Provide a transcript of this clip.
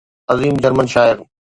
عظيم جرمن شاعر